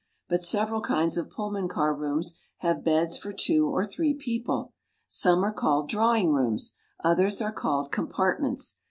But several kinds of Pullman car rooms have beds for two or three people. Some are called drawing rooms. Others are called compartments.